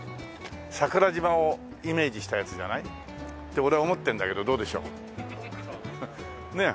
桜島をイメージしたやつじゃない？って俺は思ってんだけどどうでしょう？ねえ。